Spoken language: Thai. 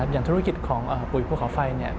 อย่างธุรกิจของปุ๋ยภูเขาไฟ